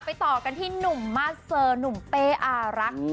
ต่อกันที่หนุ่มมาสเซอร์หนุ่มเป้อารัก